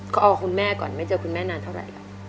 ก็เอาคุณแม่ก่อนไม่เจอคุณแม่นานเท่าไหร่แล้ว